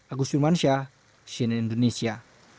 agus firman syah sini indonesia